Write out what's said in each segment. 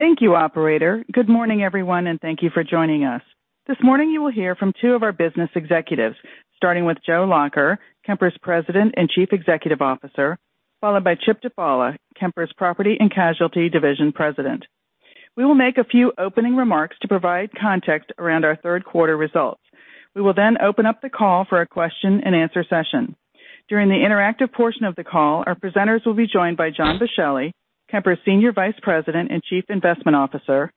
Thank you operator. Good morning everyone. Thank you for joining us. This morning you will hear from two of our business executives, starting with Joe Lacher, Kemper's President and Chief Executive Officer, followed by Chip Dufala, Kemper's Property and Casualty Division President. We will make a few opening remarks to provide context around our third quarter results. We will then open up the call for a question and answer session. During the interactive portion of the call, our presenters will be joined by John Boschelli, Kemper's Senior Vice President and Chief Investment Officer,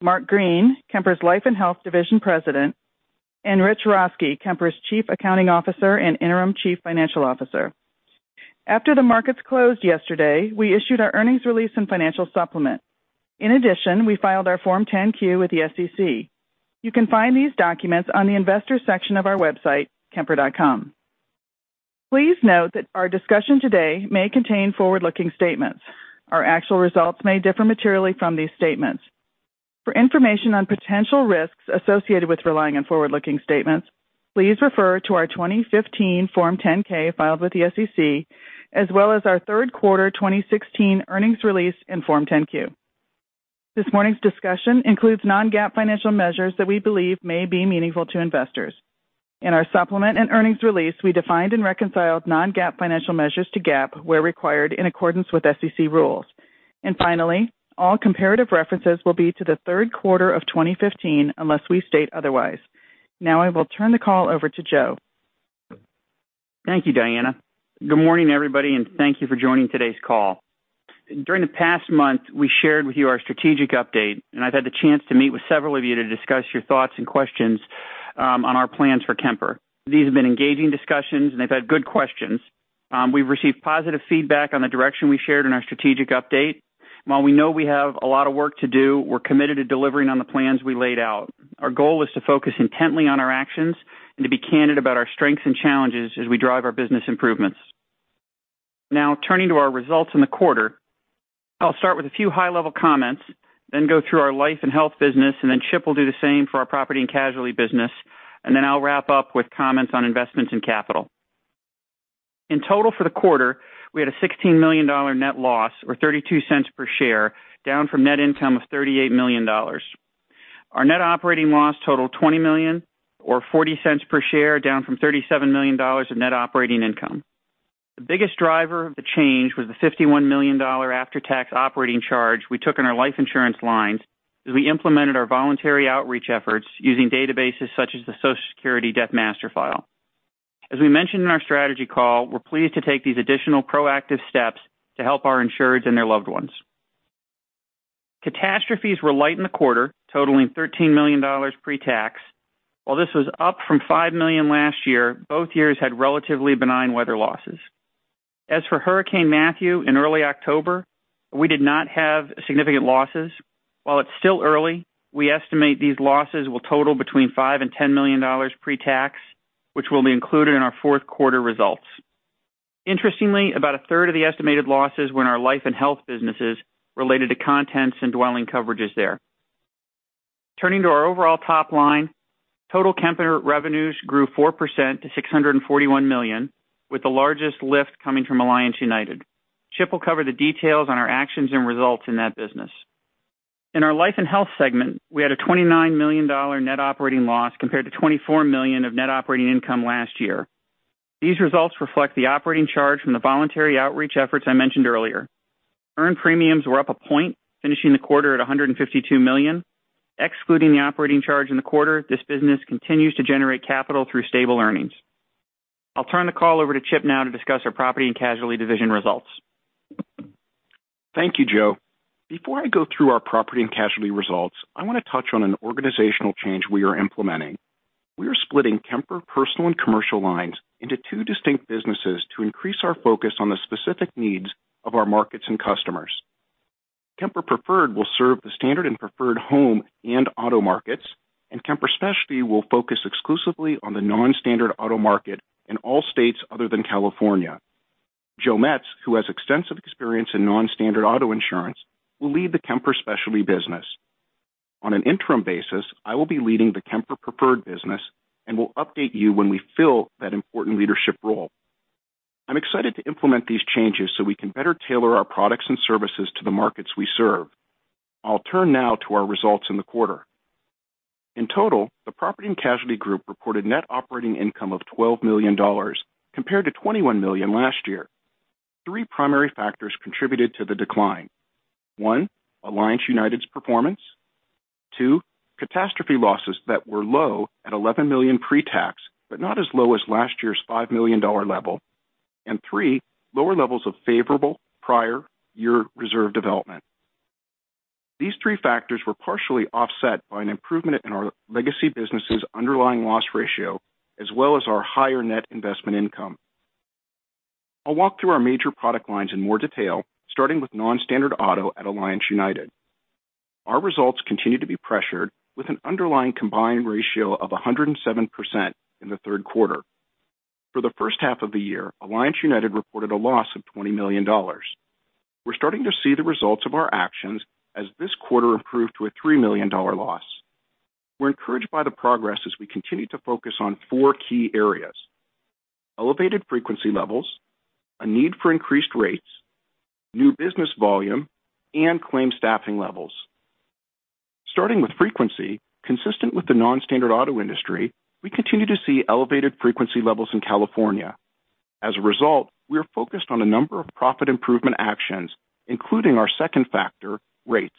Mark Green, Kemper's Life and Health Division President, and Rich Roeske, Kemper's Chief Accounting Officer and Interim Chief Financial Officer. After the markets closed yesterday, we issued our earnings release and financial supplement. In addition, we filed our Form 10-Q with the SEC. You can find these documents on the investors section of our website, kemper.com. Please note that our discussion today may contain forward-looking statements. Our actual results may differ materially from these statements. For information on potential risks associated with relying on forward-looking statements, please refer to our 2015 Form 10-K filed with the SEC, as well as our third quarter 2016 earnings release and Form 10-Q. This morning's discussion includes non-GAAP financial measures that we believe may be meaningful to investors. In our supplement and earnings release, we defined and reconciled non-GAAP financial measures to GAAP where required in accordance with SEC rules. Finally, all comparative references will be to the third quarter of 2015, unless we state otherwise. Now I will turn the call over to Joe. Thank you, Diana. Good morning everybody. Thank you for joining today's call. During the past month, we shared with you our strategic update, and I've had the chance to meet with several of you to discuss your thoughts and questions on our plans for Kemper. These have been engaging discussions and they've had good questions. We've received positive feedback on the direction we shared in our strategic update. While we know we have a lot of work to do, we're committed to delivering on the plans we laid out. Our goal is to focus intently on our actions and to be candid about our strengths and challenges as we drive our business improvements. Turning to our results in the quarter, I'll start with a few high-level comments. Go through our life and health business. Chip will do the same for our property and casualty business. I'll wrap up with comments on investments and capital. In total for the quarter, we had a $16 million net loss or $0.32 per share, down from net income of $38 million. Our net operating loss totaled $20 million or $0.40 per share, down from $37 million of net operating income. The biggest driver of the change was the $51 million after-tax operating charge we took in our life insurance lines as we implemented our voluntary outreach efforts using databases such as the Social Security Death Master File. As we mentioned in our strategy call, we're pleased to take these additional proactive steps to help our insureds and their loved ones. Catastrophes were light in the quarter, totaling $13 million pre-tax. While this was up from $5 million last year, both years had relatively benign weather losses. As for Hurricane Matthew in early October, we did not have significant losses. While it's still early, we estimate these losses will total between $5 million and $10 million pre-tax, which will be included in our fourth quarter results. Interestingly, about a third of the estimated losses were in our life and health businesses related to contents and dwelling coverages there. Turning to our overall top line, total Kemper revenues grew 4% to $641 million, with the largest lift coming from Alliance United. Chip will cover the details on our actions and results in that business. In our life and health segment, we had a $29 million net operating loss compared to $24 million of net operating income last year. These results reflect the operating charge from the voluntary outreach efforts I mentioned earlier. Earned premiums were up a point, finishing the quarter at $152 million. Excluding the operating charge in the quarter, this business continues to generate capital through stable earnings. I'll turn the call over to Chip now to discuss our property and casualty division results. Thank you, Joe. Before I go through our property and casualty results, I want to touch on an organizational change we are implementing. We are splitting Kemper personal and commercial lines into two distinct businesses to increase our focus on the specific needs of our markets and customers. Kemper Preferred will serve the standard and preferred home and auto markets, and Kemper Specialty will focus exclusively on the non-standard auto market in all states other than California. Joe Metz, who has extensive experience in non-standard auto insurance, will lead the Kemper Specialty business. On an interim basis, I will be leading the Kemper Preferred business and will update you when we fill that important leadership role. I'm excited to implement these changes so we can better tailor our products and services to the markets we serve. I'll turn now to our results in the quarter. In total, the property and casualty group reported net operating income of $12 million, compared to $21 million last year. Three primary factors contributed to the decline. One, Alliance United's performance. Two, catastrophe losses that were low at $11 million pre-tax, but not as low as last year's $5 million level. Three, lower levels of favorable prior year reserve development. These three factors were partially offset by an improvement in our legacy business' underlying loss ratio, as well as our higher net investment income. I'll walk through our major product lines in more detail, starting with non-standard auto at Alliance United. Our results continue to be pressured with an underlying combined ratio of 107% in the third quarter. For the first half of the year, Alliance United reported a loss of $20 million. We're starting to see the results of our actions as this quarter improved to a $3 million loss. We're encouraged by the progress as we continue to focus on 4 key areas: Elevated frequency levels, a need for increased rates, new business volume, and claim staffing levels. Starting with frequency, consistent with the non-standard auto industry, we continue to see elevated frequency levels in California. As a result, we are focused on a number of profit improvement actions, including our second factor, rates.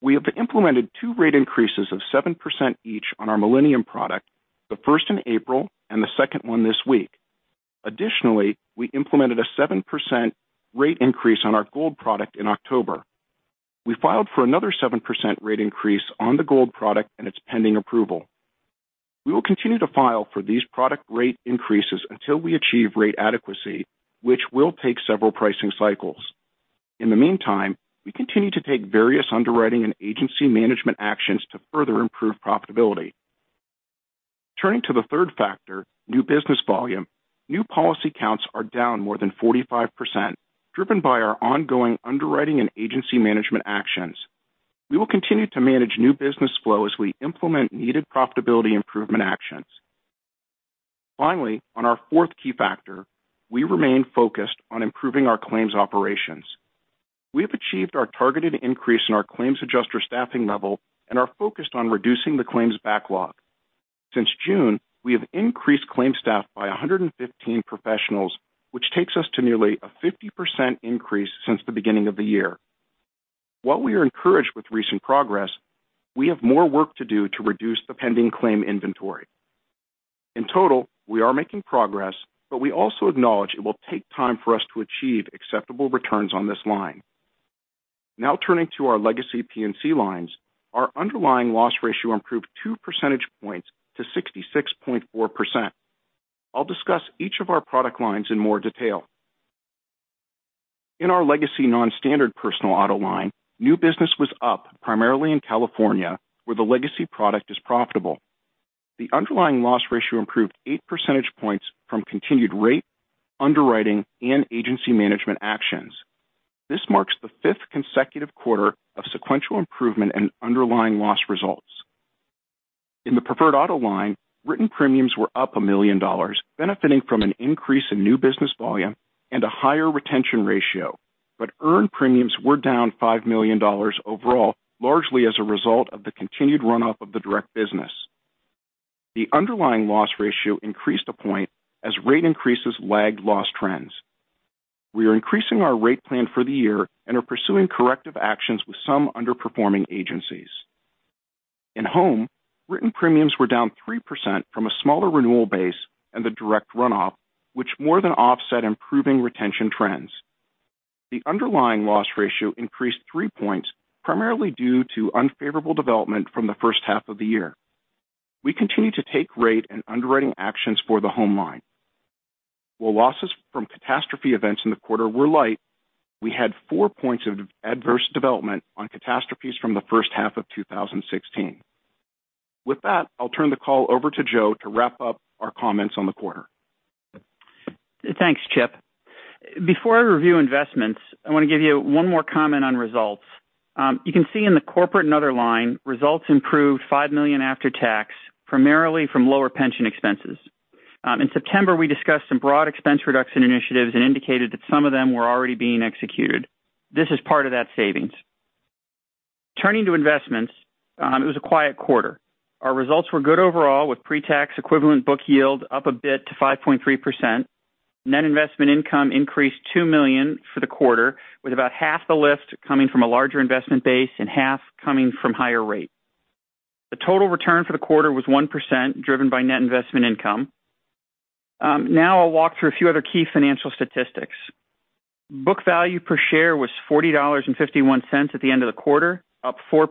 We have implemented 2 rate increases of 7% each on our Millennium product, the first in April and the second one this week. We implemented a 7% rate increase on our Gold product in October. We filed for another 7% rate increase on the Gold product. It's pending approval. We will continue to file for these product rate increases until we achieve rate adequacy, which will take several pricing cycles. In the meantime, we continue to take various underwriting and agency management actions to further improve profitability. Turning to the 3rd factor, new business volume, new policy counts are down more than 45%, driven by our ongoing underwriting and agency management actions. We will continue to manage new business flow as we implement needed profitability improvement actions. On our 4th key factor, we remain focused on improving our claims operations. We have achieved our targeted increase in our claims adjuster staffing level and are focused on reducing the claims backlog. Since June, we have increased claims staff by 115 professionals, which takes us to nearly a 50% increase since the beginning of the year. While we are encouraged with recent progress, we have more work to do to reduce the pending claim inventory. In total, we are making progress. We also acknowledge it will take time for us to achieve acceptable returns on this line. Turning to our legacy P&C lines, our underlying loss ratio improved 2 percentage points to 66.4%. I'll discuss each of our product lines in more detail. In our legacy non-standard personal auto line, new business was up primarily in California, where the legacy product is profitable. The underlying loss ratio improved 8 percentage points from continued rate, underwriting, and agency management actions. This marks the 5th consecutive quarter of sequential improvement in underlying loss results. In the preferred auto line, written premiums were up $1 million, benefiting from an increase in new business volume and a higher retention ratio. Earned premiums were down $5 million overall, largely as a result of the continued runoff of the direct business. The underlying loss ratio increased 1 point as rate increases lagged loss trends. We are increasing our rate plan for the year and are pursuing corrective actions with some underperforming agencies. In home, written premiums were down 3% from a smaller renewal base and the direct runoff, which more than offset improving retention trends. The underlying loss ratio increased 3 points, primarily due to unfavorable development from the first half of the year. We continue to take rate and underwriting actions for the home line. While losses from catastrophe events in the quarter were light, we had 4 points of adverse development on catastrophes from the first half of 2016. With that, I'll turn the call over to Joe to wrap up our comments on the quarter. Thanks, Chip. Before I review investments, I want to give you one more comment on results. You can see in the corporate and other line, results improved $5 million after tax, primarily from lower pension expenses. In September, we discussed some broad expense reduction initiatives and indicated that some of them were already being executed. This is part of that savings. Turning to investments, it was a quiet quarter. Our results were good overall, with pre-tax equivalent book yield up a bit to 5.3%. Net investment income increased $2 million for the quarter, with about half the lift coming from a larger investment base and half coming from higher rate. The total return for the quarter was 1%, driven by Net investment income. I'll walk through a few other key financial statistics. Book value per share was $40.51 at the end of the quarter, up 4%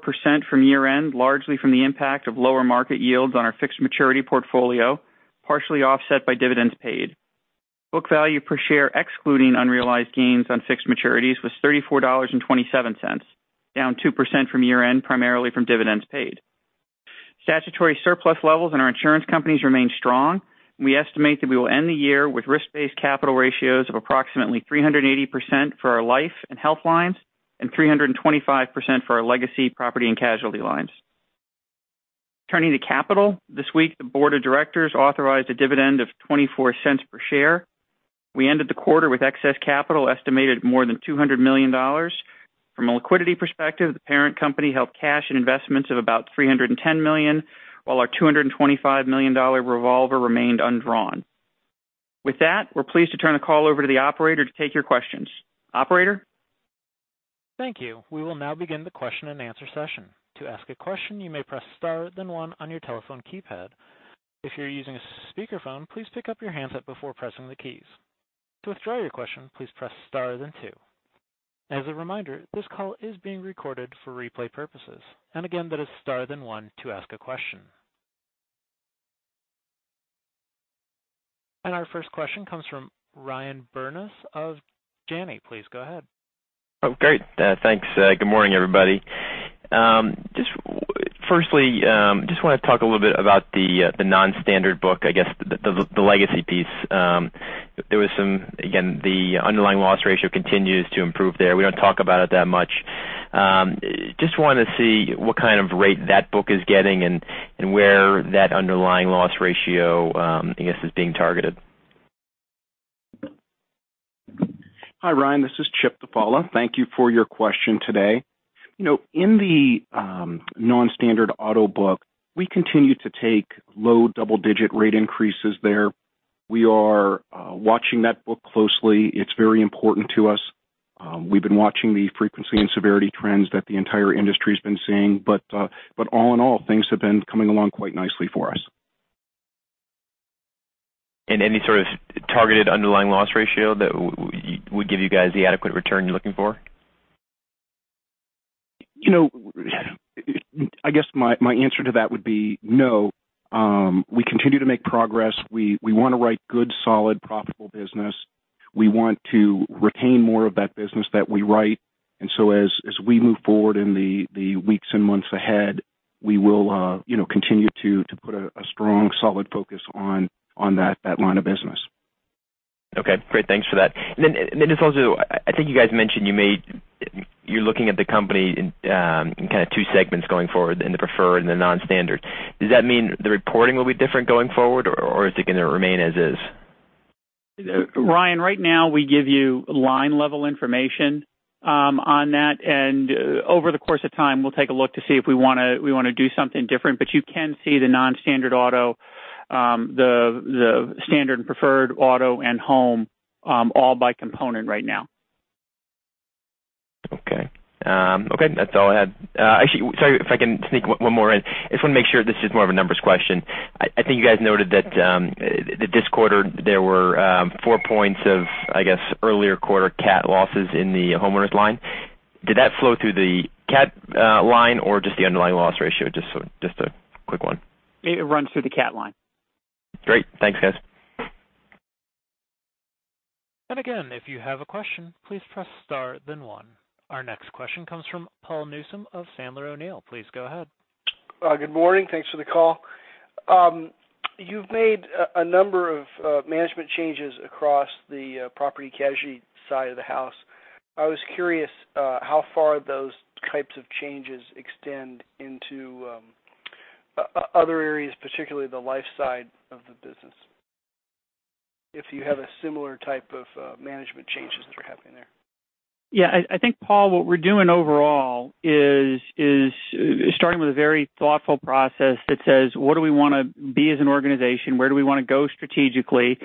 from year-end, largely from the impact of lower market yields on our fixed maturity portfolio, partially offset by dividends paid. Book value per share excluding unrealized gains on fixed maturities was $34.27, down 2% from year-end, primarily from dividends paid. Statutory surplus levels in our insurance companies remain strong, and we estimate that we will end the year with risk-based capital ratios of approximately 380% for our life and health lines and 325% for our legacy property and casualty lines. Turning to capital, this week the board of directors authorized a dividend of $0.24 per share. We ended the quarter with excess capital estimated more than $200 million. From a liquidity perspective, the parent company held cash and investments of about $310 million, while our $225 million revolver remained undrawn. With that, we're pleased to turn the call over to the operator to take your questions. Operator? Thank you. We will now begin the question-and-answer session. To ask a question, you may press star, then one on your telephone keypad. If you're using a speakerphone, please pick up your handset before pressing the keys. To withdraw your question, please press star, then two. As a reminder, this call is being recorded for replay purposes. Again, that is star, then one to ask a question. Our first question comes from Ryan Burns of Janney. Please go ahead. Oh, great. Thanks. Good morning, everybody. Firstly, just want to talk a little bit about the non-standard book, I guess, the legacy piece. Again, the underlying loss ratio continues to improve there. We don't talk about it that much Just wanted to see what kind of rate that book is getting and where that underlying loss ratio, I guess, is being targeted. Hi, Ryan, this is Chip Dufala. Thank you for your question today. In the non-standard auto book, we continue to take low double-digit rate increases there. We are watching that book closely. It's very important to us. We've been watching the frequency and severity trends that the entire industry's been seeing, but all in all, things have been coming along quite nicely for us. Any sort of targeted underlying loss ratio that would give you guys the adequate return you're looking for? I guess my answer to that would be no. We continue to make progress. We want to write good, solid, profitable business. We want to retain more of that business that we write. As we move forward in the weeks and months ahead, we will continue to put a strong, solid focus on that line of business. Okay, great. Thanks for that. Just also, I think you guys mentioned you're looking at the company in kind of two segments going forward, in the preferred and the non-standard. Does that mean the reporting will be different going forward, or is it going to remain as is? Ryan, right now we give you line-level information on that, and over the course of time, we'll take a look to see if we want to do something different, but you can see the non-standard auto, the standard and preferred auto and home, all by component right now. Okay. That's all I had. Actually, sorry, if I can sneak one more in. I just want to make sure, this is more of a numbers question. I think you guys noted that this quarter, there were 4 points of, I guess, earlier quarter CAT losses in the homeowners line. Did that flow through the CAT line or just the underlying loss ratio? Just a quick one. It runs through the CAT line. Great. Thanks, guys. Again, if you have a question, please press star then one. Our next question comes from Paul Newsome of Sandler O'Neill. Please go ahead. Good morning. Thanks for the call. You've made a number of management changes across the property casualty side of the house. I was curious how far those types of changes extend into other areas, particularly the life side of the business, if you have a similar type of management changes that are happening there. Yeah, I think, Paul, what we're doing overall is starting with a very thoughtful process that says, what do we want to be as an organization? Where do we want to go strategically?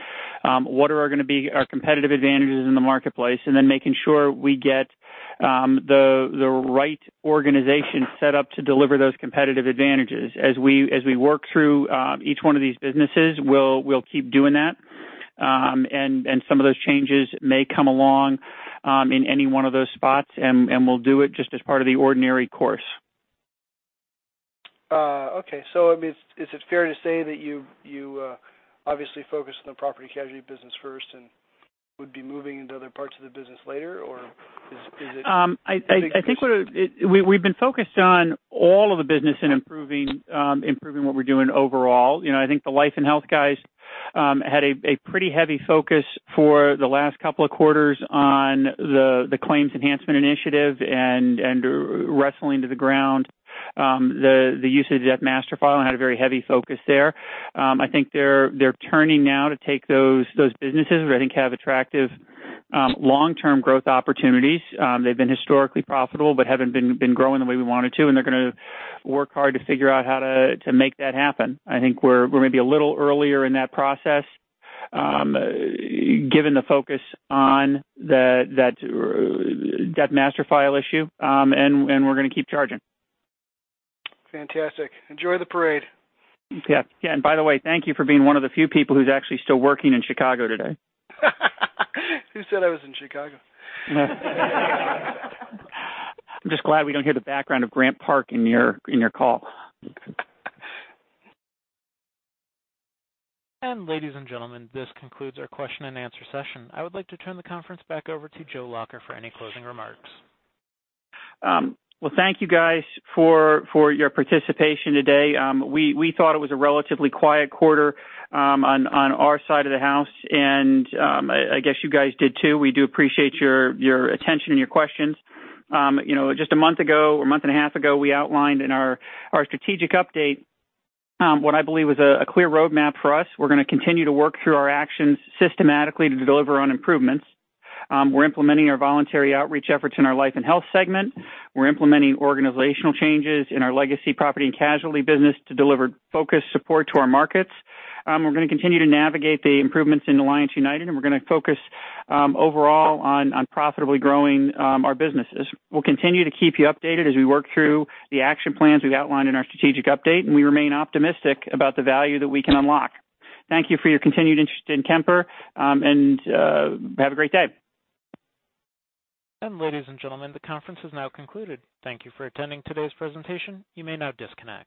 What are going to be our competitive advantages in the marketplace? Then making sure we get the right organization set up to deliver those competitive advantages. As we work through each one of these businesses, we'll keep doing that. Some of those changes may come along in any one of those spots, and we'll do it just as part of the ordinary course. Okay. I mean, is it fair to say that you obviously focus on the property casualty business first and would be moving into other parts of the business later, or is it- I think we've been focused on all of the business and improving what we're doing overall. I think the life and health guys had a pretty heavy focus for the last couple of quarters on the claims enhancement initiative and wrestling to the ground the usage of that Death Master File and had a very heavy focus there. I think they're turning now to take those businesses which I think have attractive long-term growth opportunities. They've been historically profitable but haven't been growing the way we want it to, and they're going to work hard to figure out how to make that happen. I think we're maybe a little earlier in that process, given the focus on that Death Master File issue. We're going to keep charging. Fantastic. Enjoy the parade. Yeah. By the way, thank you for being one of the few people who's actually still working in Chicago today. Who said I was in Chicago? I'm just glad we don't hear the background of Grant Park in your call. Ladies and gentlemen, this concludes our question and answer session. I would like to turn the conference back over to Joe Lacher for any closing remarks. Well, thank you guys for your participation today. We thought it was a relatively quiet quarter on our side of the house, and I guess you guys did too. We do appreciate your attention and your questions. Just a month ago, or a month and a half ago, we outlined in our strategic update what I believe was a clear roadmap for us. We're going to continue to work through our actions systematically to deliver on improvements. We're implementing our voluntary outreach efforts in our life and health segment. We're implementing organizational changes in our legacy property and casualty business to deliver focused support to our markets. We're going to continue to navigate the improvements in Alliance United, and we're going to focus overall on profitably growing our businesses. We'll continue to keep you updated as we work through the action plans we've outlined in our strategic update, and we remain optimistic about the value that we can unlock. Thank you for your continued interest in Kemper, and have a great day. Ladies and gentlemen, the conference has now concluded. Thank you for attending today's presentation. You may now disconnect.